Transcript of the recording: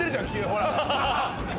ほら！」